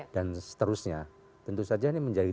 dan seterusnya tentu saja ini menjadi